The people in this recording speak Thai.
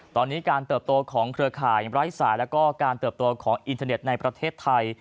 ตอนนี้การเติบโตของเครือข่ายไร้สายแล้วก็การเติบโตของอินเทอร์เน็ตในประเทศไทย